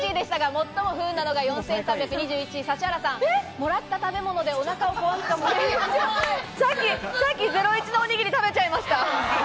最も不運なのが、４３２１位、指原さん。もらった食べ物でさっき『ゼロイチ』のおにぎり食べちゃいました。